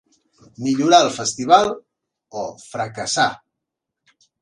Millorar el Festival", o "Fracassar!